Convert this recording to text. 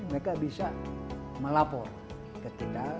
mereka bisa melapor ke kita